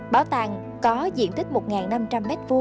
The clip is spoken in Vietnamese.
bảo tàng có diện tích một năm trăm linh m hai